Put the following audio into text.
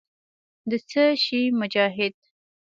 د څه شي مجاهد.